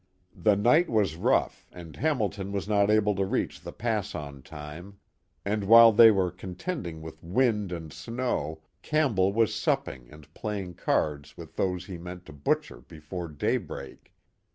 The night was rough and Hamilton was not able to reach the pass on time, and while they were contending with wind and snow Campbell was supping and playing cards with those he meant to butcher before daybreak.